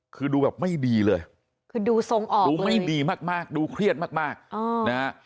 คือดูแบบไม่ดีเลยคือดูทรงออกดูไม่ดีมากดูเครียดมากนะฮะ